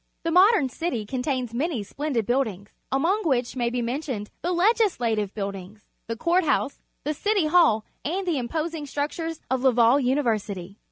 The modern city contains many splendid buildings, among wliich may be mentioned the Legislative Buildings, the Court House, the City Hall, and the imposing structures of Laval University.